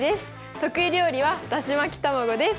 得意料理はだし巻き卵です。